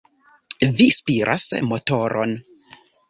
Vi spiras motoron!